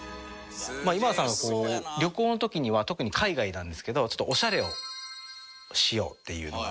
今田さんが旅行の時には特に海外なんですけどオシャレをしようっていうのがあって。